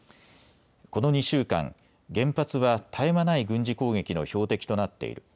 この２週間、原発は絶え間ない軍事攻撃の標的となっている。